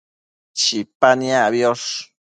Chipa niacbiosh